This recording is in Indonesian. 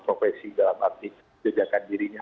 profesi dalam arti jedakan dirinya